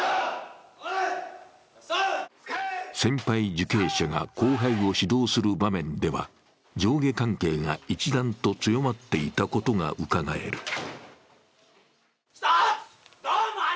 先輩受刑者が後輩を指導する場面では、上下関係が一段と強まっていたことがうかがえる。